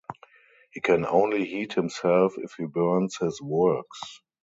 He can only heat himself if he burns his works.